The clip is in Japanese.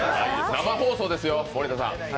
生放送ですよ、盛田さん。